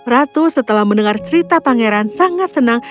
ratu setelah mendengar cerita pangeran sangat senang